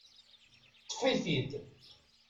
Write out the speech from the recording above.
Ṭṭef-it-id.